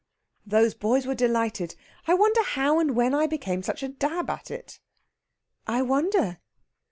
Those boys were delighted. I wonder how and when I became such a dab at it?" "I wonder!"